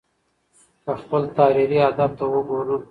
که خپل تحريري ادب ته وګورو